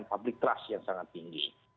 dan itu adalah peringkat yang sangat tinggi